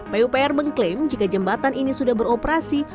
pupr mengklaim jika jembatan ini sudah beroperasi